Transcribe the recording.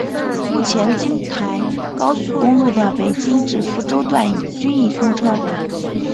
目前京台高速公路的北京至福州段均已通车。